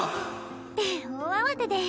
って大慌てで。